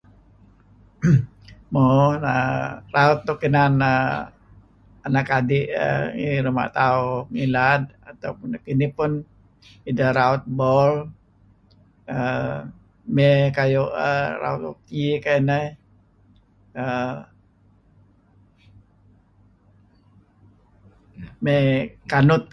Mo err raut nuk inan err anak adi' ngi ruma' tauh ngilad atau nekinih pun ideh raut bol err mey kayu' err raut [unintelligible] kayu' ineh err mey kanut.